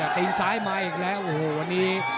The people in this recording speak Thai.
ตีนซ้ายมาอีกแล้วโอ้โหวันนี้